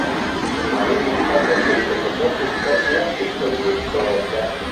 La rivista consiste soprattutto in articoli di ricerca.